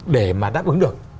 để mà đáp ứng được